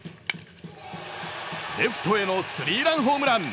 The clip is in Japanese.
レフトへのスリーランホームラン。